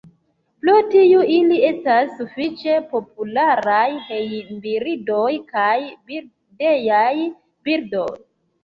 Pro tio ili estas sufiĉe popularaj hejmbirdoj kaj birdejaj birdoj.